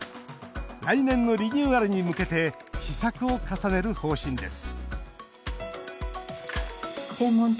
来年のリニューアルに向けて試作を重ねる方針です